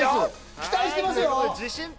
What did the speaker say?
期待してますよ。